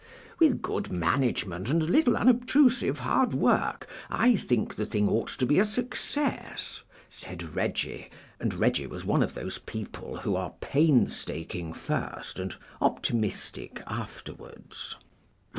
"With good management and a little unobtrusive hard work, I think the thing ought to be a success," said Reggie, and Reggie was one of those people who are painstaking first and optimistic afterwards.